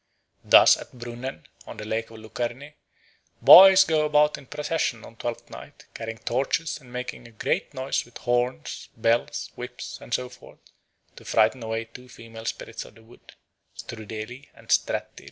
Thus at Brunnen, on the Lake of Lucerne, boys go about in procession on Twelfth Night carrying torches and making a great noise with horns, bells, whips, and so forth to frighten away two female spirits of the wood, Strudeli and Strätteli.